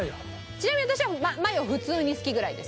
ちなみに私はマヨ普通に好きぐらいです。